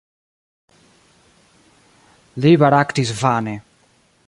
Li baraktis vane.